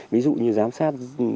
ví dụ như giám sát